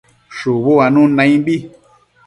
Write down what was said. Shubu uanun naimbi